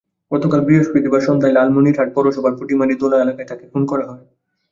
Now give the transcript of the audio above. গতকাল বৃহস্পতিবার সন্ধ্যায় লালমনিরহাট পৌরসভার পুঠিমারী দোলা এলাকায় তাঁকে খুন করা হয়।